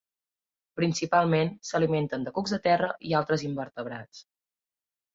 Principalment s'alimenten de cucs de terra i altres invertebrats.